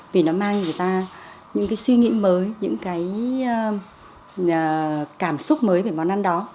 vì nó mang người ta những cái suy nghĩ mới những cái cảm giác mới